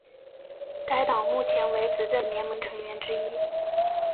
该党目前为执政联盟成员之一。